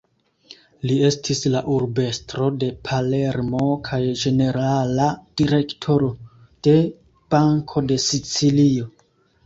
Li estis la Urbestro de Palermo kaj ĝenerala Direktoro de Banko de Sicilio.